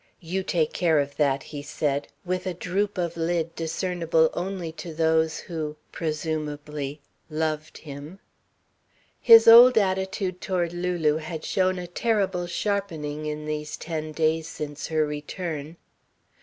"You take care of that," he said, with a droop of lid discernible only to those who presumably loved him. His old attitude toward Lulu had shown a terrible sharpening in these ten days since her return.